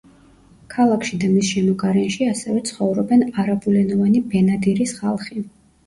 ქალაქში და მის შემოგარენში ასევე ცხოვრობენ არაბულენოვანი ბენადირის ხალხი.